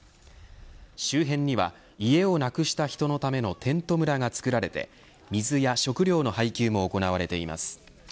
周辺には、家をなくした人のためのテント村が作られて水や食料の配給も行われています。